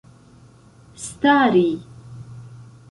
stari